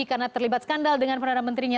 karena terlibat skandal dengan peran menterinya